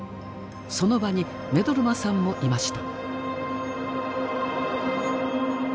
その場に目取真さんもいました。